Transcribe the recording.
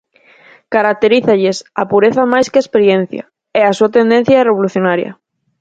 Caracterízalles a pureza máis que a experiencia e a súa tendencia é revolucionaria.